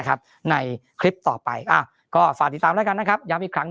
ในคลิปต่อไปก็ฝากติดตามแล้วกันนะครับย้ำอีกครั้ง